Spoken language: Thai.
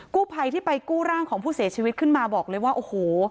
กู้ภัยที่ไปกู้ร่างของผู้เสียชีวิตขึ้นมาบอกเลยว่าโอ้โห